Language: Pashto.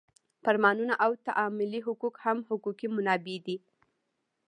فرمانونه او تعاملي حقوق هم حقوقي منابع دي.